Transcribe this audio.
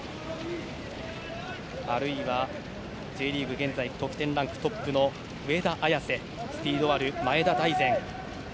あるいは、Ｊリーグ現在得点ランクトップの上田綺世スピードある前田大然